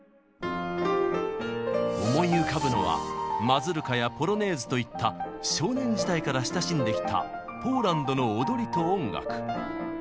思い浮かぶのはマズルカやポロネーズといった少年時代から親しんできたポーランドの踊りと音楽。